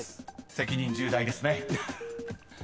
責任重大ですね］